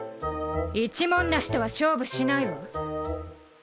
一文なしとは勝負しないわ。